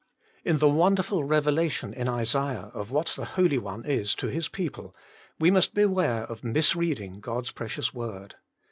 In the wonderful revelation in Isaiah of what the Holy One is to His people, we must beware of misreading God's precious Word.